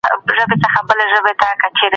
په دغه وخت کي هيڅ چيري څوک نه وو.